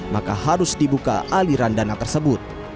maka harus dibuka aliran dana tersebut